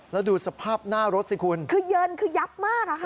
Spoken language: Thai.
แล้วดูสภาพหน้ารถสิคุณคือเยินคือยับมากอะค่ะ